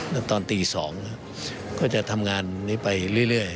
แล้วตอนตี๒ก็จะทำงานนี้ไปเรื่อย